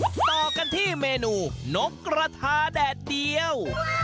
ต่อกันที่เมนูนกกระทาแดดเดียว